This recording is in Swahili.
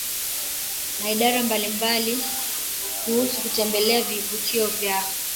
na idara mbalimbalia kuhusu kutembelea vivutio vya